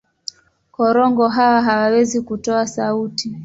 Korongo hawa hawawezi kutoa sauti.